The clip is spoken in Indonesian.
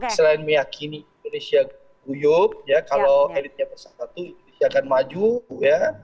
selain meyakini indonesia guyup ya kalau elitnya bersatu indonesia akan maju bu ya